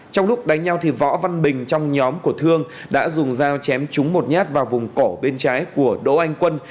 trong lúc đánh nhau võ văn bình trong nhóm của thương đã dùng dao chém trúng một nhát vào vùng cổ bên trái của đỗ anh quân